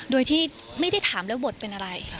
โดยที่ไม่ได้ถามแล้วบทเป็นอะไร